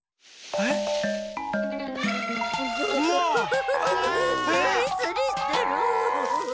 ええ⁉スリスリしてる。